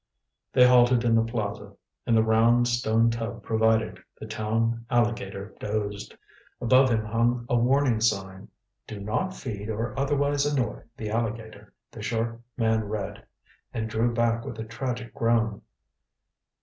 They halted in the plaza. In the round stone tub provided, the town alligator dozed. Above him hung a warning sign: "Do not feed or otherwise annoy the alligator." The short man read, and drew back with a tragic groan.